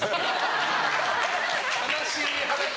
悲しい話。